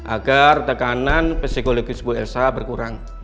agar tekanan psikologi sebuah elsa berkurang